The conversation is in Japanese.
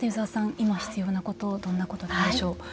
今必要なことはどんなことでしょう。